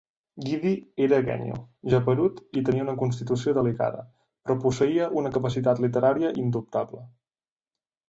Guidi era guenyo, geperut i tenia una constitució delicada, però posseïa una capacitat literària indubtable.